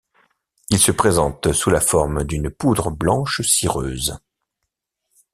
Il se présente sous la forme d'une poudre blanche cireuse.